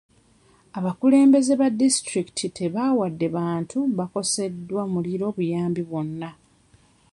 Abakulembeze ba disitulikiti tebawadde bantu baakoseddwa muliro buyambi bwonna.